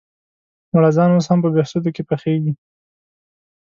مړزان اوس هم بهسودو کې پخېږي؟